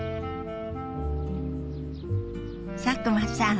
佐久間さん